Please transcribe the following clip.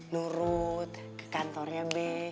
nurut ke kantornya be